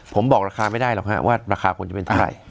ผมบอกราคาไม่ได้หรอกฮะว่าราคาผลจะเป็นเท่าไหร่